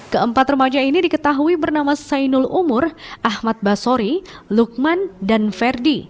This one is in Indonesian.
keempat remaja ini diketahui bernama sainul umur ahmad basori lukman dan verdi